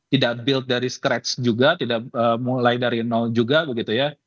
tidak build dari scratch juga tidak mulai dari nol juga begitu ya